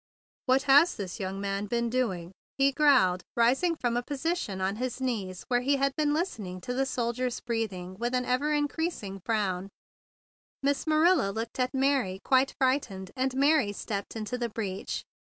"What has this young man been do¬ ing?" he growled, rising from a position on his knees where he had been listen¬ ing to the soldier's breathing with an ever increasing frown. Miss Marilla looked at Mary quite frightened, and Mary stepped into the breach.